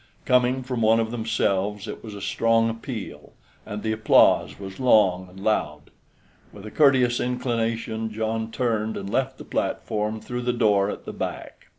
Coming from one of themselves it was a strong appeal, and the applause was long and loud. With a courteous inclination John turned and left the platform through the door at the back.